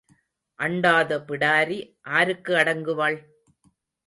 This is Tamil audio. அண்டாத பிடாரி ஆருக்கு அடங்குவாள்?